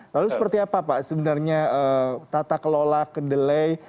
lalu seperti apa pak sebenarnya tata kelola kedelai